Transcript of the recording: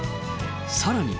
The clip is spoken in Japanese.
さらに。